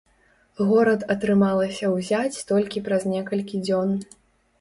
Горад атрымалася ўзяць толькі праз некалькі дзён.